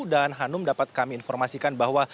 dan hanum dapat kami informasikan bahwa